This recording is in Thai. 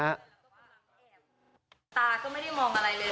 ตาก็ไม่ได้มองอะไรเลย